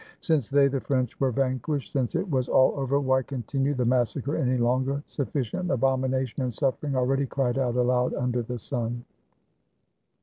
Since they, the French, were vanquished, since it was all over, why continue the massacre any longer? Suffi cient abomination and suffering already cried out aloud under the sun.